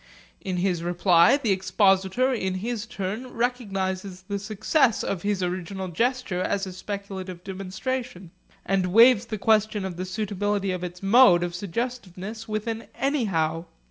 In his reply, the expositor in his turn recognises the success of his original gesture as a speculative demonstration, and waives the question of the suitability of its mode of suggestiveness with an 'anyhow.'